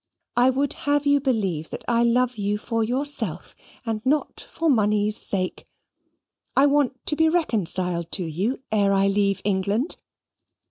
I would have you believe that I love you for yourself, and not for money's sake. I want to be reconciled to you ere I leave England.